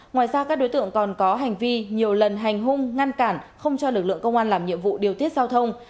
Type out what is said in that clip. ngoài ra các đối tượng còn có hành vi nhiều lần hành hung ngăn cản không cho lực lượng công an làm nhiệm vụ điều tiết giao thông